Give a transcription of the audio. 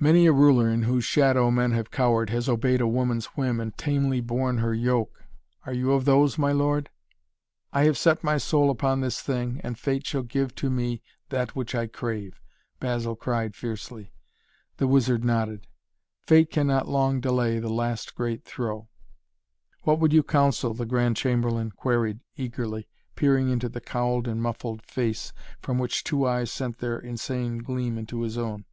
"Many a ruler in whose shadow men have cowered, has obeyed a woman's whim and tamely borne her yoke. Are you of those, my lord?" "I have set my soul upon this thing and Fate shall give to me that which I crave!" Basil cried fiercely. The wizard nodded. "Fate cannot long delay the last great throw." "What would you counsel?" the Grand Chamberlain queried eagerly, peering into the cowled and muffled face, from which two eyes sent their insane gleam into his own.